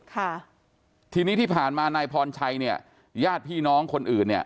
ค่ะทีนี้ที่ผ่านมานายพรชัยเนี่ยญาติพี่น้องคนอื่นเนี่ย